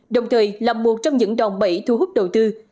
đồng thời là một trong những đòn bẫy thu hút đầu tư